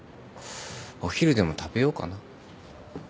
お昼でも食べようかな。